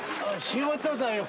仕事だよ。